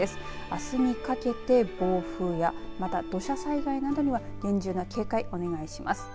あすにかけて暴風やまた土砂災害などには厳重な警戒お願いします。